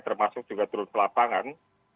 termasuk juga turun pelapangan